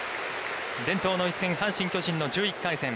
伝統の一戦、阪神、巨人の１１回戦。